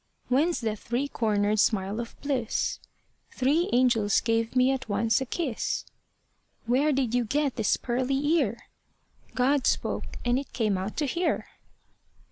Whence that three cornered smile of bliss? Three angels gave me at once a kiss. Where did you get this pearly ear? God spoke, and it came out to hear.